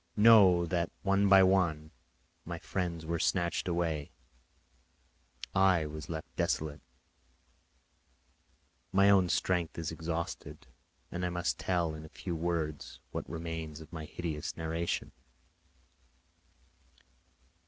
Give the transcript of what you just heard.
Know that, one by one, my friends were snatched away; I was left desolate. My own strength is exhausted, and I must tell, in a few words, what remains of my hideous narration.